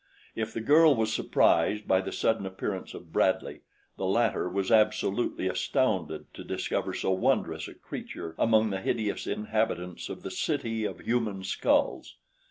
If the girl was surprised by the sudden appearance of Bradley, the latter was absolutely astounded to discover so wondrous a creature among the hideous inhabitants of the City of Human Skulls.